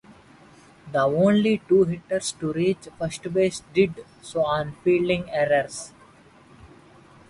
The only two hitters to reach first base did so on fielding errors.